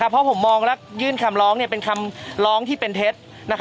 เพราะผมมองและยื่นคำร้องเป็นคำร้องที่เป็นเท็จ